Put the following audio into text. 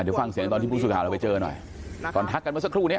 เดี๋ยวฟังเสียงตอนที่ผู้สื่อข่าวเราไปเจอหน่อยตอนทักกันเมื่อสักครู่เนี้ย